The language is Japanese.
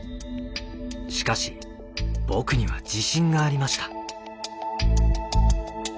しかし僕には自信がありました。